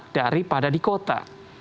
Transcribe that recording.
daripada di kota